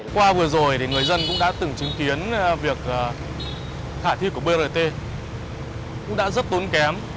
qua vừa rồi thì người dân cũng đã từng chứng kiến việc hạ thi của brt cũng đã rất tốn kém